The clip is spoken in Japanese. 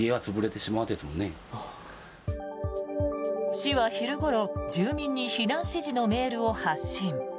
市は昼ごろ住民に避難指示のメールを発信。